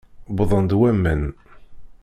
Wwḍen-d waman.